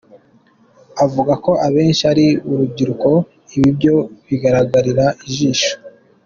Avuga ko abenshi ari urubyiruko-ibi byo bigaragarira ijisho.